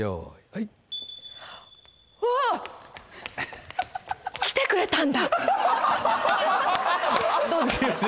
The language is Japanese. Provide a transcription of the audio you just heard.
はいあっ来てくれたんだどうですか？